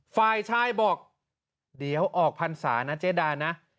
ฝ่ายชายบอกเดี๋ยวออกพันธุ์สารนะเจ๊ดานะ